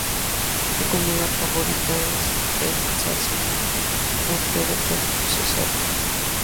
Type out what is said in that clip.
Su comida favorita es el Zarcillo Plateado procesado.